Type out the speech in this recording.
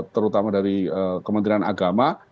terutama dari kementerian agama